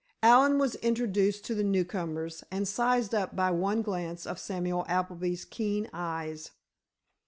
Allen was introduced to the newcomers and sized up by one glance of Samuel Appleby's keen eyes.